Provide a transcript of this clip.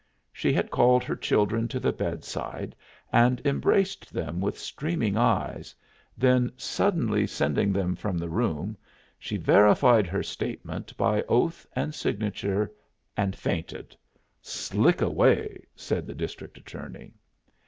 She had called her children to the bedside and embraced them with streaming eyes, then suddenly sending them from the room, she verified her statement by oath and signature, and fainted "slick away," said the district attorney.